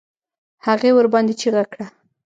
هغې ورباندې چيغه کړه.